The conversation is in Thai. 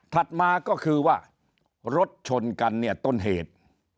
มาก็คือว่ารถชนกันเนี่ยต้นเหตุ